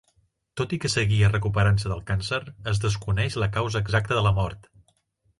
Tot i que seguia recuperant-se del càncer, es desconeix la causa exacta de la mort.